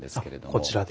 こちらで。